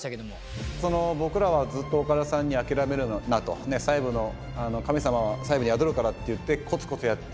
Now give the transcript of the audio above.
僕らはずっと岡田さんに「諦めるな」と。神様は細部に宿るからっていってコツコツやってきた。